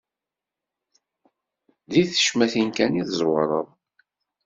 Di tecmatin kan i tẓewreḍ.